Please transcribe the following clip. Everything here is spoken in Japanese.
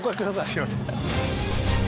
すいません。